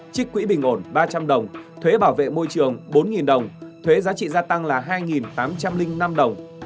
trích quỹ bình ổn ba trăm linh đồng thuế bảo vệ môi trường bốn đồng thuế giá trị gia tăng là hai tám trăm linh năm đồng